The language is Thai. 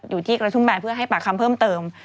อยู่ที่กระทุ่มแบนเพื่อให้ปากคำเพิ่มเติม